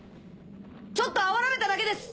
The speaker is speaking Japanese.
ちょっとあおられただけです。